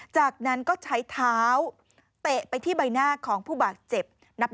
จากนั้นก็ใช้เท้าเตะไปที่ใบหน้าของผู้บาดเจ็บ